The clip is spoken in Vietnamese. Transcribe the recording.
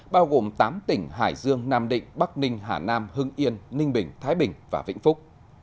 bao gồm tám tỉnh hải dương nam định bắc ninh hà nam hưng yên ninh bình thái bình và vĩnh phúc